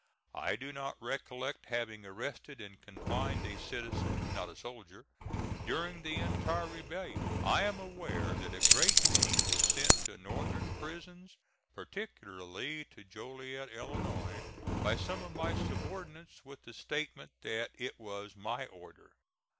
I do not recollect having arrested and confined a citizen (not a soldier) during the entire rebellion. I am aware that a great many were sent to northern prisons, particularly to Joliet, Illinois, by some of my subordinates with the statement that it was my order.